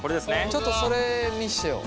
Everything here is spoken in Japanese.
ちょっとそれ見してよ。